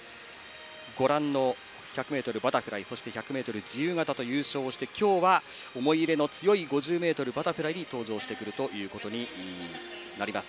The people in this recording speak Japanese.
ご覧の１００ｍバタフライ１００ｍ自由形と優勝をして今日は思い入れの強い５０ｍバタフライに登場してくることになります。